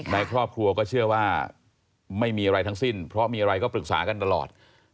ในครอบครัวก็เชื่อว่าไม่มีอะไรทั้งสิ้นเพราะมีอะไรก็ปรึกษากันตลอด